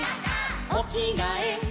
「おきがえ」